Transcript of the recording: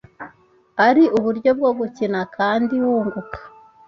ari uburyo bwo gukina kandi wunguka,